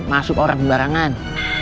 masuk orang sebarangan